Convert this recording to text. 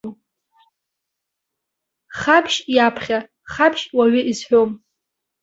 Хабжь иаԥхьа хабжь уаҩы изҳәом.